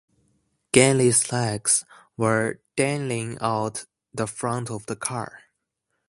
Ganley's legs were dangling out the front of the car.